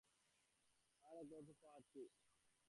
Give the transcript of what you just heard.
আমি পার্টিতে যেতে চাই!